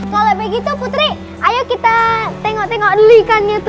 kalau begitu putri ayo kita tengok tengok dulu ikannya tuh